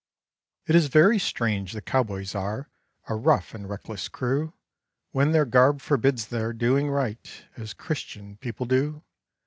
Is it very strange that cowboys are A rough and reckless crew When their garb forbids their doing right As Christian people do?